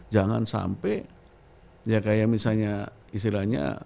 jangan sampai ya kayak misalnya istilahnya